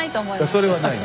それはないな。